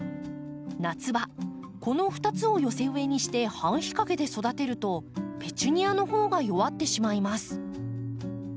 夏場この２つを寄せ植えにして半日陰で育てるとペチュニアのほうが弱ってしまいます。